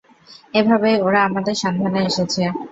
এভাবেই ওরা আমাদের সন্ধানে এসেছে।